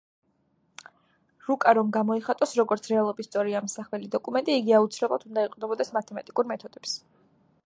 რუკა რომ გამოიხატოს როგორც რეალობის სწორი ამსახველი დოკუმენტი, იგი აუცილებლად უნდა ეყრდნობოდეს მათემატიკურ მეთოდებს.